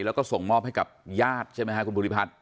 แล้วก็ส่งมอบให้กับญาติใช่ไหมฮะคุณบุริภัทร